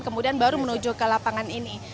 kemudian baru menuju ke lapangan ini